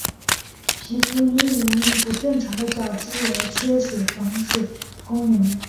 皮肤亦因不正常的角质而缺乏防水功能。